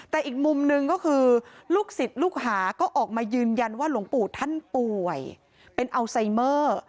แต่อีกมุมหนึ่งก็คือลูกศิษย์ลูกหาก็ออกมายืนยันว่าหลวงปู่ท่านป่วยเป็นอัลไซเมอร์